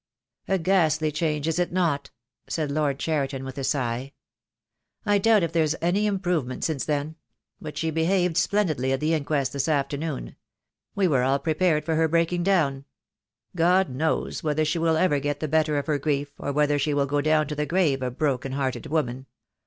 "A ghastly change, is it not?" said Lord Cheriton, with a sigh. "I doubt if there is any improvement since then; but she behaved splendidly at the inquest this afternoon. We were all prepared for her breaking down. The Day will come, I. o I30 THE DAY WILL COME. God knows whether she will ever get the better of her grief, or whether she will go down to the grave a broken hearted woman.